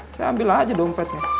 saya ambil aja dompetnya